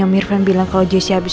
memiliki ujinya jadi sepatu kiat